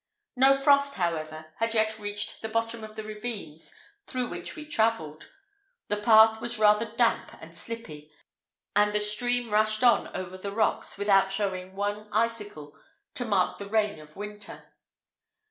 No frost, however, had yet reached the bottom of the ravines through which we travelled. The path was rather damp and slippy, and the stream rushed on over the rocks without showing one icicle to mark the reign of winter.